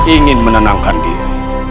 ingin menenangkan diri